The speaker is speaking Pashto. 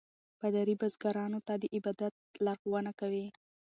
پادري بزګرانو ته د عبادت لارښوونه کوي.